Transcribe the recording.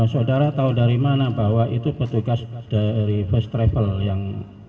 saudara tahu dari mana bahwa itu petugas dari first travel yang